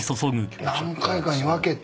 何回かに分けて。